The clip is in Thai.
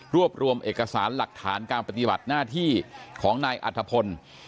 รวบรวมเอกสารหลักฐานการปฏิบัติหน้าที่ของนายอัธพล